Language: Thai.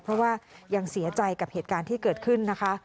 เพราะว่ายังเสียใจกับเหตุการณ์ที่เกิดขึ้นนะคะ